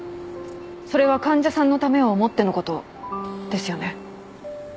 それは患者さんのためを思ってのことですよね？